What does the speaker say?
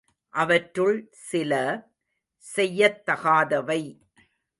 அவற்றுள் சில..... செய்யத் தகாதவை